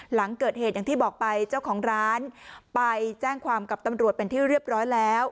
หลังเกิดเหตุอย่างที่บอกไปเจ้าของร้านไปแจ้งความกับตำรวจเป็นที่เรียบร้อยแล้ว